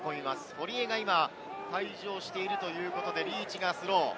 堀江が今、退場しているということで、リーチがスロー。